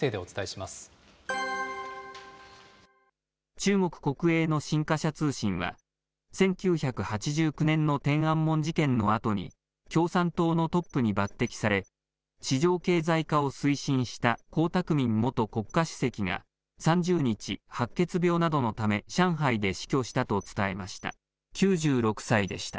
中国国営の新華社通信は、１９８９年の天安門事件のあとに共産党のトップに抜てきされ、市場経済化を推進した江沢民元国家主席が３０日、白血病などのため上海で死去したと伝えました。